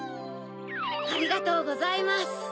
ありがとうございます。